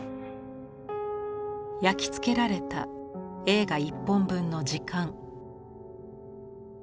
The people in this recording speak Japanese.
焼き付けられた映画１本分の時間。